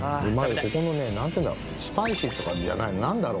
ここのね何ていうんだろスパイシーって感じじゃない何だろう